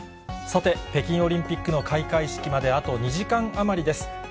さて、北京オリンピックの開会式まであと２時間余りです。